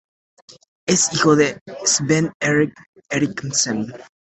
Es hijo de Svend-Erik Eriksen.